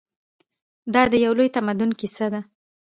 دا د یو لوی تمدن کیسه ده.